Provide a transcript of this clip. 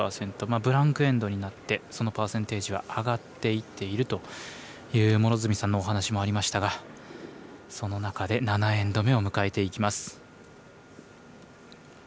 ブランク・エンドになってそのパーセンテージは上がっていっているという両角さんのお話もありましたがその中で７エンド目を迎えていきます。